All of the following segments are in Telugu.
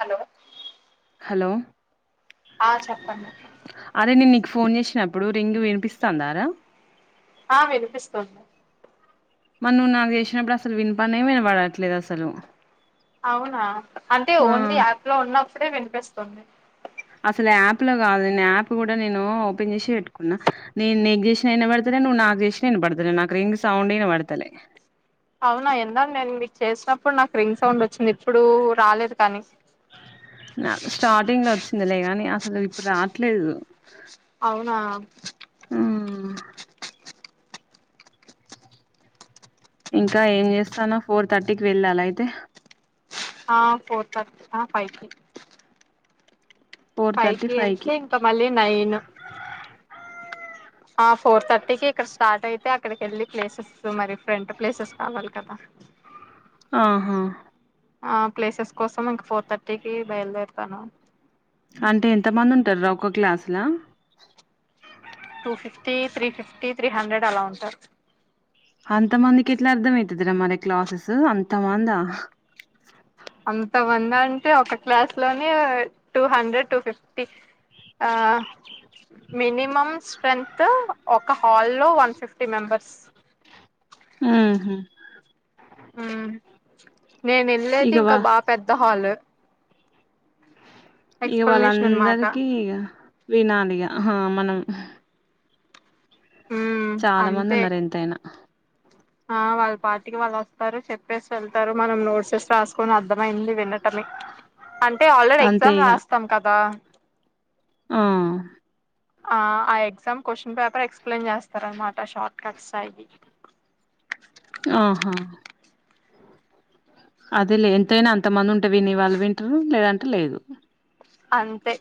హలో. హలో. ఆ చెప్పండి. అరే నేను నీకు ఫోన్ చేసినప్పుడు రింగు వినిపిస్తాందారా. ఆ వినిపిస్తుంద. మన్ నువ్వు నాకు చేసినప్పుడు అసలు వినిపనే వినపడట్లేదు అసలు. అవునా అంటే ఆ ఓన్లీ యాప్ లో ఉన్నప్పుడే వినిపిస్తుంది. అసలు యాప్ లో కాదు నేను యాప్ కూడా నేను ఓపెన్ చేసే పెట్టుకున్నా నేను నీకు చేసినా ఇనపడతాలే, నువ్వు నాకు చేసిన ఇనపడతాలే నాకు రింగ్ సౌండ్ ఇనపడతలే. అవునా ఇందాక నేను మీకు చేసినప్పుడు నాకు రింగ్ సౌండ్ వచ్చింది, ఇప్పుడు రాలేదు కానీ. స్టార్టింగ్ లో వచ్. చిందలే గాని అసలు ఇప్పుడు రాట్లేదు. అవునా. మ్మ్ ఇంకా ఏం చేస్తాన ఫోర్ థర్టీకి వెళ్ళాల అయితే. ఆ ఫోర్ థర్ అ ఫైవ్ ఫైవ్ కి ఇల్తే ఇంకా మళ్ళీ నైను ఆ ఫోర్ థర్టీకి ఇక్కడ స్టార్ట్ అయితే అక్కడికి ఎళ్ళి ప్లేసెస్ మరి రెంట్ ప్లేసెస్ కావాలి కదా ఆహా ఆ ప్లేసెస్ కోసం ఇంక ఫోర్ థర్టీకి బయలుదేరుతాను అంటే ఎంతమంది ఉంటారు రా ఒక క్లాసల two fifty three fifty three hundred అలా ఉంటారు అంత మందికి ఎట్లా అర్థం అవుతదిరా మరి క్లాసెస్ అంతమందా అంతమంది అంటే ఒక క్లాస్ లోనే టూ హండ్రెడ్ టూ ఫిఫ్టీ ఆ మినిమమ్ శ్రన్త్ ఒక హాల్లో వన్ ఫిఫ్టీ మెంబెర్స్ ఉహు ఉ నేను వెళ్ళేది ఇగ వా ఇంకా బా పెద్ద హాలు ఇగ ఎక్స్ప్లనేషన్ అనమాట వాళ్ళందరికీ ఇగ వినాలి ఇగ హా మనం ఉమ్ చాలా మంది అంతే ఉన్నారు ఎంతైనా ఆ వాళ్ళ పాటికి వాళ్ళు వస్తారు చెప్పేసి వెళ్తారు మనం నాడ్సేస్ రాసుకొని అర్థమైంది వినటమే అంటే ఆల్రెడీ అంతే ఎగ్జామ్ రాస్తాం కదా ఉ ఆ ఆ ఎగ్జమ్ క్యూషన్ పేపర్ ఎక్స్ప్లెయిన్ చేస్తారనమట షార్ట్ కట్స్ అయ్యి ఆహా అదేలే ఎంతైనా అంత మంది ఉన్ వినేవాళ్ళు వింటరు లేదంటే లేదు అంతే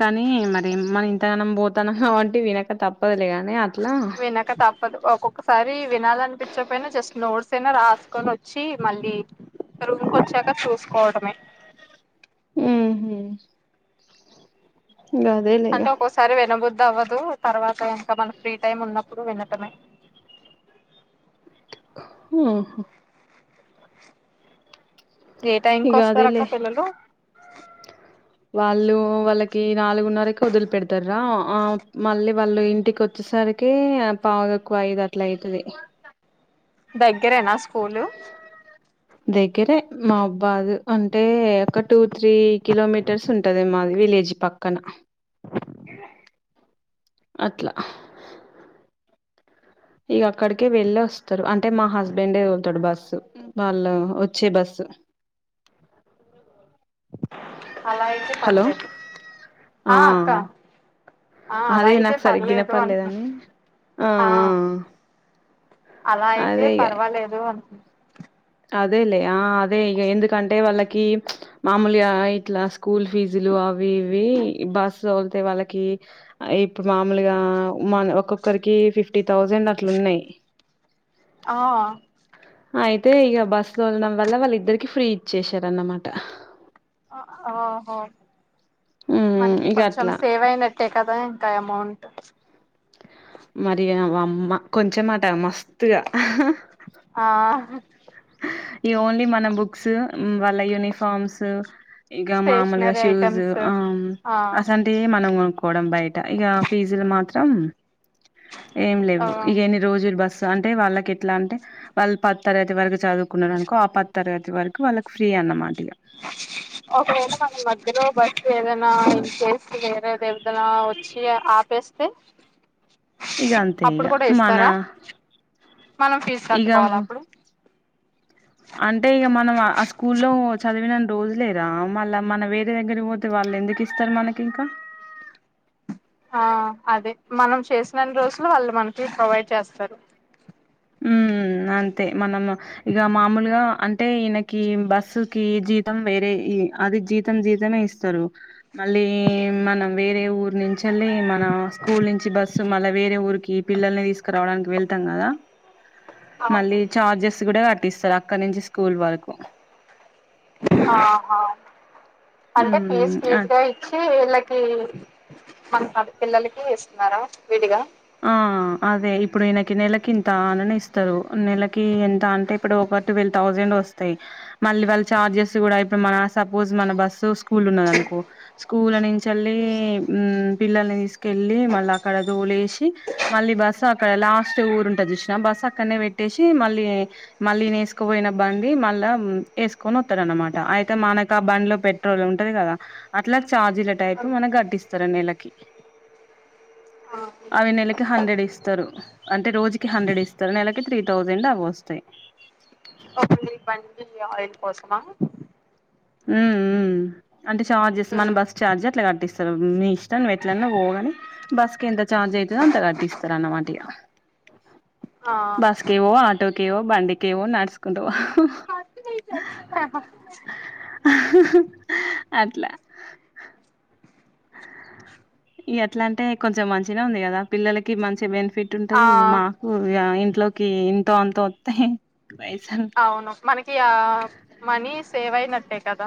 కానీ మరి మన ఇంతగానం పోతానంకాబట్టి వినక తప్పదులే కానీ వినక తప్పదు ఒక్కొకొ ఒకసారి వినాలనిపించకపోయినా జస్ట్ నోట్స్ అయినా రాసుకొని వచ్చి మళ్ళీ రూమ్కి వచ్చాక చూసుకోవడమే ఉహు అదేలే ఇగ సరే వినబుద్దు అవ్వదు తర్వాత ఇంకా మన ఫ్రీ టైమ్ ఉన్నప్పుడు వినటమే హు ఏ టైం కు ఇగ వస్తారు అదేలే అక్క పిల్లలు వాళ్ళు వాళ్ళకి నాలుగున్నరకి వదిలి పెడతారా ఆ మళ్ళీ వాళ్ళు ఇంటికి వచ్చ వచ్చేసరికి ఆ పావు తక్కువ ఐదు అట్లా అయితది దగ్గరేనా స్కూలు దగ్గరే మా మహబాదు అంటే ఒక టూ త్రీ కిలోమీటర్ ర్స్ ఉంటది మాది విలేజీ పక్కన అట్లా ఇక అక్కడికే వెళ్ళి వస్తారు అంటే మా హస్బెండ్ తోలతాడు బస్సు వాళ్ళ వచ్చే బస్సు అలా అయితే హలో పర్లేదు ఆ అక్క ఆ అలా అదే అయితే నాకు సరిగ్గా పర్లేదు అంటున్నా ఇనపడలేదని ఆ అలా ఆ అయితే అదే ఇగ పర్వాలేదు అను అదేలే ఆ అదే ఇగ ఎందుకంటే వాళ్ళకి మామూలిగా ఇట్లా స్కూల్ ఫీజులు అవి ఇవి బస్ తోలితే వాళ్ళకి ఇప్పుడు మామూలుగా మ ఒక్కొక్కరికి ఫిఫ్టీ థౌజండ్ అట్లు ఉన్నాయి ఆవా అయితే ఇక బస్సు తోలనడం వల్ల వాళ్ళు ఇద్దరికి ఫ్రీ ఇచ్చసారన్నమాట ఓహో హ్మ్ మనకి ఇగ కొంచెం అట్లా సేవ్ అయినట్ టే కదా ఇంక ఆ అమాౌంట్ మరి అమ్మ కొంచెం అట మస్తుత్గా ఆ ఈ ఓన్లీ మన బుక్స్ వాళ్ళ యూనిఫార్మ్స్ ఇగ మామూలుగా స్టేషనరీ షూస్ ఐటమ్స్ ఆ ఆ అస టే మన కొనుడం బయట ఇ ఫీజులు మాత్రం ఏం ఆ లేవు ఇ రోజులు బస్సు అంటే వాళ్ళకి ఎట్లా అంటే వాళ్ళ పద్ తరగతి వరకు చదువుకున్నాడానుకో ఆ పద్ తరగతి వరకు వాళ్ళకి ఫ్రీ అన్నమాట ఇక ఒక వేళా మన మధ్యలో బస్సు ఏదైనా ఇన్కేస్ చేసి వేరే ఏది ఏదనా వచ్చి ఇగ ఆపేస్తే ఇగ అంతే ఇగ అప్పుడు కూడా మన ఇస్తారా మనం ఫీజు ఇగ కట్టుకోవాలి అప్పుడు అంటే ఇక మనం ఆ స్కూల్లో చదివిన రోజులే నా మళ్ళీ మన వేరే దగ్గర పోతే వాళ్ళు ఎందుకు ఇ ఇస్తారు మనకి ఇంకా ఆ అదే మనం చేసినన్ని రోజులు వాళ్ళు మనకి ప్రొవైడ్ చేస్తారు ఉ అంతే మనం ఇక మామూలుగా అంటే ఈయనకి బస్సు కి జీతం వేరే ఈ అది జీతం జీతమే ఇస్త తరు మళ్ళీ మనం వేరే ఊరు నుంచిళ్ళి మన స్కూల్ నుంచి బస్సు మళ్ళా వేరే ఊరికి పిల్లల్ని తీసుకురావడానికి వెళ్తాం కదా మళ్ళీ చార్జెస్ కూడా కట్టిస్తారు అక్కడ నుంచి స్కూల్ వరకు ఆహ అంటే ఫేజ్ ఉమ్ అ ఫేజ్ గా ఇచ్చి వీళ్ళ ఉ ఈ మన పిల్లలకి ఇస్తున్నారా విడిగా ఆ అదే ఇప్పుడు ఈయనకి నెలకి ఇంత అని ఇస్తారు నెలకి ఎంత అంటే ఇప్పుడు ఒక ట్వెల్వ్ థౌజండ్ వస్తాయి. మళ్ళీ వాళ్ళ చార్జెస్ కూడా ఇప్పుడు మన సపోజ్ మన బస్సు, స్కూల్ ఉన్నదనుకో స్కూలనుంచల్ని పిల్లల్ని తీసుకెళ్ళి మళ్ళ అక్కడ దోలేసి మళ్ళీ బస్సు అక్కడ లాస్ట్ ఊరు ఉంటది చూసినవా బస్ అక్కడనే పెట్టేసి మళ్ళీ మళ్ళీ ఇయన వేసుకుపోయిన బండి మళ్ళా వేసుకొని వస్తాడున్నమాట అయితే మనకు ఆ బండిలో పెట్ట పెట్రోల్ ఉంటది కదా అట్లా ఛార్జీల టైప్ మనకి ఆ గట్టిస్తారు నెలకి అవి నెలకి హండ్రెడ్ ఇస్తారు అంటే రోజుకి హండ్రెడ్ ఇస్తారు నెలకి త్రీ థౌజండ్ అవి వస్తాయి. ఆయిల్ కోసమా [unintelligible] ఉ ఉ ఉ అంటే చార్జెస్ మన బస్సు చార్జ్ అట్లా కట్టిస్తారు. మీ ఇష్టం ఎట్లన్నా పోగాని బస్కి ఎంత చార్జ్ అయితదో అంతా కట్టిస్తారు అన్న మాట ఆ బస్కేవో, ఆటోకేవో, బండికేవో, నడుచకుంటపోవ ఆహ హ హ అట్లా ఇగ అట్లా అంటే కొంచెం మంచిగా ఉంది కదా పిల్లలకి మంచి బెనిఫిట్ ఆ ఇట్టుఉంట్టది మాకు ఇగ ఇంట్లోకి ఇంతో అంత వస్తాయి పైయసల్‌ అవును మనకి ఆ మనీ సేవ్ అయినట్టే కదా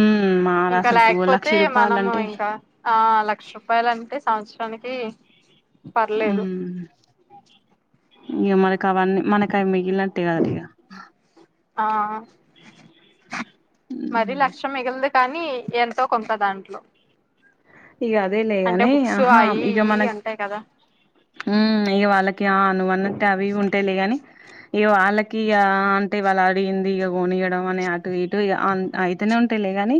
ఉ మ ఇంకాల అయిపోతే మనము ఇంకా ఆ లక్ష రూపాయలు అంటే సంవత్సరానికి పర్లేదు ఉమ్ ఇక మనకి అవన్నీ మనకు అవి మిగినంటే కద ఇక ఆ మరి హ్మ్ లక్ష మిగిలదు కానీ ఎంతో కొంత దాంట్లో ఇగ అదే లే అంటే గని బుక్స్ ఆహ అయి ఇగ ఇయి మనకు ఉంటాయి కదా ఉ ఇగ వాళ్ళకి ఆ నువ్వు అన్నటే అవి ఉంటాయిలే గాని ఇగ వాళ్ళకి ఇగ ఆ అంటే వాళ్ళ అడిగింది ఇగ కొనియడం అని అటు ఇటు అయితేనే ఉంటేలేగాని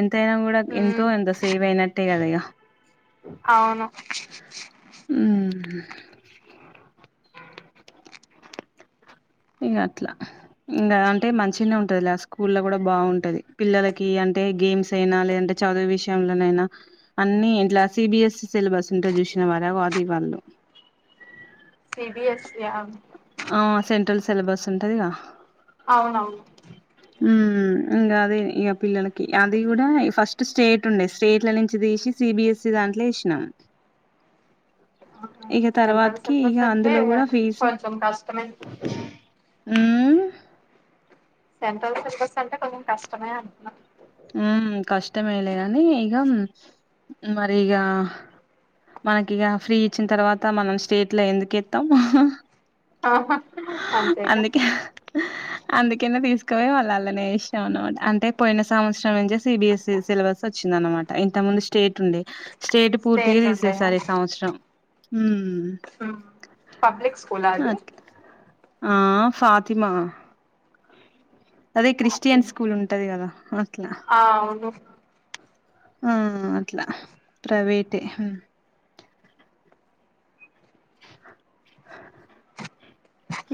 ఎంతయినా కూడా ఎంతో ఉమ్ ఎంత సేవ్ అయినట్టు అంతేగా ఇగ అవును ఉ ఇగ అట్ల ఇగ అంటే మంచిగనే ఉంటదిలే స్కూల్లో కూడా బాగుంటది పిల్లలకి అంటే గేమ్స్ అయినా లేదంటే చదువు విషయంలోనైనా అన్ని ఇట్లా సిబిఎస్ఈ సిలబస్ ఉంటది చూసినవా రా అది వాళ్ళు సిబిఎస్ఈ యా అవును సెంట్రల్ సిలబస్ ఉంటదిగా అవునవును ఉ ఉ ఇగ అదే ఇగ పిల్లలకి అది కూడా ఫస్ట్ స్టేట్ ఉండే స్టేట్ల నుంచి తీసి సిబిఎస్ఈ దాంట్లో ఎసినాం ఇగ సెంట్రల్ తర్వాతకి ఇగ సిలబస్ అంటే అందులో కూడా ఫీజు కొంచెం కష్టమే ఉమ్ సెంట్రల్ సిర్బస్ అంటే కొంచెం కష్టమే అంటున్న ఉ కష్టమేలేగానీ ఇక మరి ఇగ మనకి ఇక ఫ్రీ ఇచ్చిన తర్వాత మనం స్టేట్ లో ఎందుకు ఎస్తాం ఆహా అంతేగా అందుకే అందుకనే తీసుకో వాళ్ళ అలానే ఏసినం అనమాట అంటే పోయిన సంవత్సరం నుంచే సిబిఎస్సి సిలబస్ వచ్చిందనమాట ఇంత ముందు స్టేట్ ఉండే స్టేట్ పూర్తిగా తీసేశారు ఈ సంవత్సరం ఉమ్ ఉ పబ్లిక్ స్కూల్ అది అట్లా ఆ ఫాతిమా అదే క్రిస్టియన్ స్కూల్ ఉంటది కదా అట్లా ఆ అవును ఆ అట్లా ప్రైవేట్ హు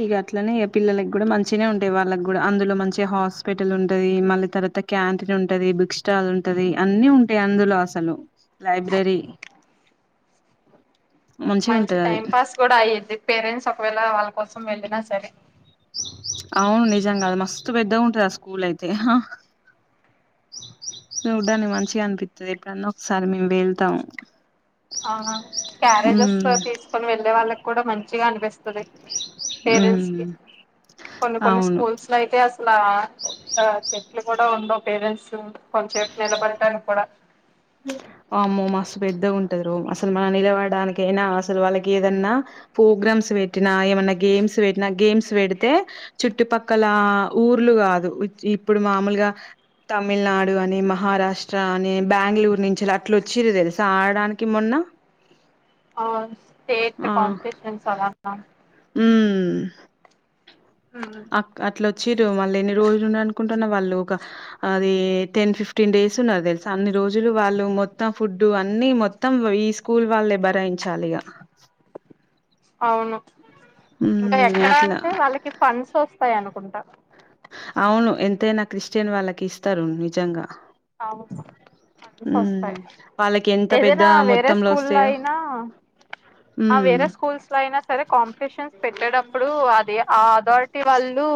ఇక అట్లనే ఇక పిల్లలకి కూడా మంచినే ఉంటాయి వాళ్ళకి కూడా అందులో మంచిగా హాస్పిటల్ ఉంటుంది మళ్ళీ తర్వాత క్యాంటీన్ ఉంటది బుక్ స్టాల్ ఉంటది అన్ని ఉంటాయి అందులో అసలు లైబ్రరీ మంచిగా మంచి ఉంటది అది టైం పాస్ కూడా అయ్యేద్ది పేరెంట్స్ ఒకవేళ వాళ్ళ కోసం వెళ్ళిన సరే అవును నిజం కాదు మస్తు పెద్దగా ఉంటది ఆ స్కూల్ అయితే చూడ్డానికి మంచిగా అనిపిస్తుంది ఎప్పుడన్నా ఒకసారి మేము వెళ్తాం అవునా క్యారేజెస్ ఉమ్ వస్తె తీసుకొని వెళ్ళే వాళ్ళకి కూడా మంచిగా అనిపిస్ తది పేరెంట్స్ ఉమ్ కి కొన్ని కొన్ని అవును స్కూల్స్ అట్లా అయితే అసలా ఒక చెట్లు కూడా ఉండవు పేరెంట్స్ కొంచెపు నిలబడటానికి కూడా అమ్మో మస్తు పెద్ద ఉంటాది రూమ్ అసలు మనం నిలవడడానినికి అయినా అసలు వాళ్ళకి ఏదన్నా ప్రోగ్రామ్స్ పెట్టినా ఏమన్నా గేమ్స్ పెట్టినా గేమ్స్ పెడితే చుట్టు పక్కల ఊర్లు కాదు ఇప్పుడు మామూలుగా తమిళనాడు అని మహారాష్ట్ర అని బెంగళూరు నుంచి రా ఎట్లా వచ్చింరు తెలుసా ఆడడానికి మొన్న ఆ స్టేట్ కాంపిటిషన్స్ అలానా ఊ ఉ అక్ అట్లా వచ్చిరు మళ్ళ ఎన్ని రోజులుండి అనుకుంటున్న వాళ్ళు ఒక అది టెన్ ఫిఫ్టీన్ డేస్ ఉన్నారు తెలు అన్ని రోజులు వాళ్ళు మొత్తం ఫుడ్డు అన్ని మొత్తం ఈ స్కూల్ వాళ్ళే భరాయించాలి ఇగ అవును ఇంకా హ్మ్. ఎక్కడ అట్లా. అంటే వాళ్ళకి ఫండ్స్ వస్తాయి అనుకుంటా అవును ఎంతైనా క్రిస్టియన్ వాళ్ళకి ఇస్తారు నిజంగా అవును ఫండ్స్ హ్మ్. వస్తాయి వాళ్ళకెంత పెద్ద ఏదైనా వేరే మొత్తంలో స్కూల్ లో ఒస్తాయో. అయినా ఆ హ్మ్. వేరే స్కూల్స్ అయినా సరే కాం పిటీషన్స్ పెట్టేటప్పుడు అది ఆ అథారిటీ వాళ్ళు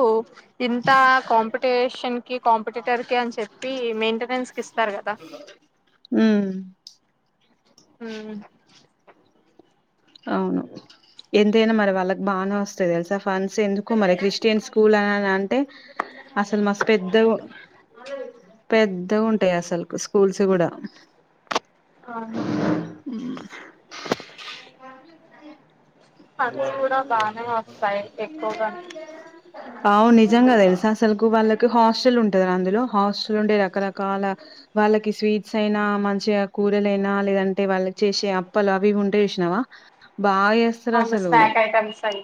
ఇంత కం టేషన్ కి కాంపిటేటర్ కి అని చెప్పి మెయింటెనెన్స్ కి ఇస్తారు కదా ఉ ఉహు అవును ఎంతైనా మరి వాళ్ళకి బాగానే వస్తది తెలుసా ఫండ్స్ ఎందుకు మరి క్రిస్టియన్ స్కూల్ అని అంటే అసలు మస్ పెద్ద పెద్దగా ఉంటాయి అసలు సుక్ స్కూల్స్ కూడా అవును ఫండ్స్ కూడా బానే వస్తాయి ఎక్కువగా అఓ [inaudible] అవును నిజంగా తెలుస అసలుకు వాళ్ళకి హాస్టల్ ఉంటది అందులో హాస్టల్ నుండి రకరకాల వాళ్ళకి స్వీట్స్ అయినా మంచిగా కూరలయినా లేదంటే వాళ్ళకి చేసే అప్పలు అవి ఉంటే వేసినామా బాగా వేస్తారు అవును అసలు స్నాక్ ఐటమ్స్ అయి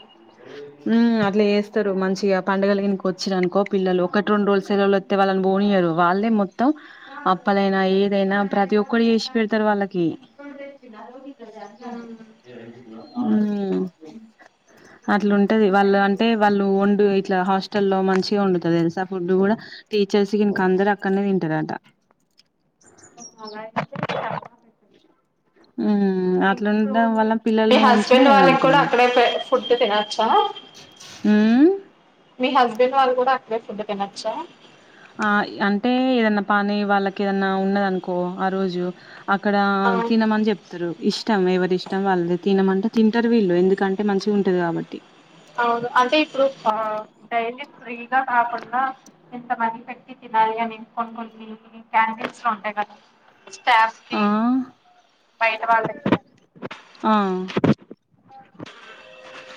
హమ్ అట్లా చేస్తారు మంచిగా పండగలకి ఇంకా వచ్చారునుకో పిల్లలు ఒకటి రెండు రోజు సెలవలు ఇగ వాళ్ళని పోనీయరు వాళ్ళే మొత్తం అప్పలైనా ఏదైనా ప్రతి ఒక్కటి చేసి పెడతారు వాళ్ళకి ఉమ్ ఆమ్ అట్లా ఉంటది వాళ్ళు అంటే వాళ్ళు వండు ఇట్లా హాస్టల్ లో మంచిగా వండుతాది తెలుసా ఫుడ్ కూడా టీచర్స్ కి ఇంక అందరు అక్కడనే తింటారట [inaudible] ఉమ్ ఇప్పుడు అట్లాండడం వల్ల మీ పిల్లల్ని ఉంచినా హస్బెండ్ వాళ్ళకి కూడా ఏమనిపియదు అక్కడే ఫుడ్ తినొచ్చా హమ్ మీ హస్బెండ్ వాళ్ళు కూడా అక్కడే ఫుడ్ తినొచ్చా ఆ అంటే ఏదన్నా పనీ వాళ్ళకి ఏదన్నా ఉన్నదనుకో ఆ రోజు అక్కడ ఆ తినమని ఇరు ఇష్టం ఎవరి ఇష్టం వాళ్ళే తినమంటే తింటారు వీళ్ళు ఎందుకంటే మంచిగా ఉంటాది కాబట్టి అవును అంటే ఇప్పుడు డైలీ ఫ్రీగా కాకుండా ఇంతమంది పెట్టి తినాలి అని కొన్నీ కొన్ని క్యాండిల్స్ లో ఉంటాయి కదా స్టాఫ్ కి ఆ బైటా వాళ్ళకి ఆ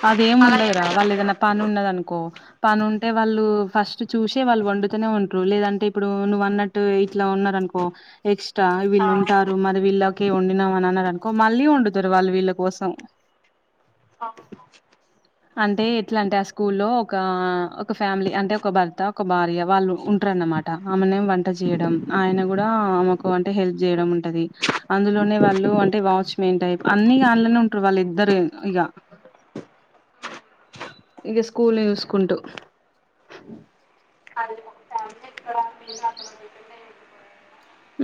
అదేం అలా ఉండదురా ఏమైనా వాళ్ళు ఉంటాయా ఏదైనా పని ఉందనుకో పని ఉంటే వాళ్ళు ఫస్ట్ చూసే వాళ్ళు వండుతూనే ఉంటారు లేదంటే ఇప్పుడు నువ్వు అన్నట్టు ఇట్లా ఉన్నారు అనుకో నెక్స్ట్ ఆ వీళ్ళు ఉంటారు మరి వీళ్ళకే వండినాం అని అన్నారు అనుకో మళ్ళీ వండుతారు వాళ్ళు వీళ్ళ కోసం అవునా అంటే ఎట్లా అంటే ఆ స్కూల్ లో ఒక ఒక ఫ్యామిలీ అంటే ఒక భర్త ఒక భార్య వాళ్ళు ఉంటారు అన్నమాట ఆమెనేం వంట చేయడం ఆయన కూడా ఆమెకు వంట హెల్ప్ చేయడం ఉంటది అందులోనే వాళ్ళు అంటే వాచ్ మాన్ టైప్ అన్ని ఆడనే ఉంటారు వాళ్ళు ఇద్దరు ఇక ఇక స్కూల్ చూసుకుంటూ అదిే ఫ ఎక్కడ [inaudible]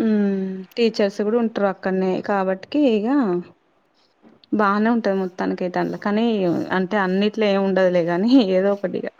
ఉమ్ టీచర్స్ కూడా ఉంటరు అక్కడనే కాబట్కి ఇగ బాగానే ఉంటది మొత్తానికి అయితే కానీ అంటే అన్నిట్లో ఏమి ఉండదులే కానీ ఏదో ఒకటిగా